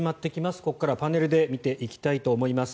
ここからはパネルで見ていきたいと思います。